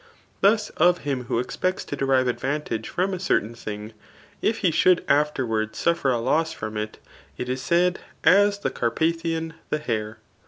] Thus of him who expects to derive advantage from a certain thing, if he should afterwards suffer a loss from it, it is said, as the Carpathian the hare.